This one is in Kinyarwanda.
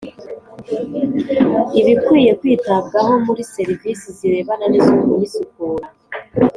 Ibikwiye kwitabwaho muri serivisi zirebana n’ isuku n’ isukura